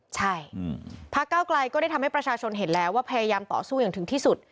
ใช่พระเก้าไกลก็ได้ทำให้ประชาชนเห็นแล้วว่าพยายามต่อสู้อย่างถึงที่สุด